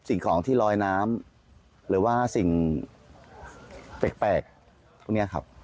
สิ่งของที่ลอยน้ำหรือว่าสิ่งแปลกพวกนี้ครับ